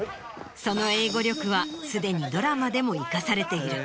その英語力はすでにドラマでも生かされている。